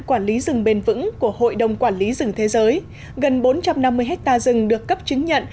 quản lý rừng bền vững của hội đồng quản lý rừng thế giới gần bốn trăm năm mươi hectare rừng được cấp chứng nhận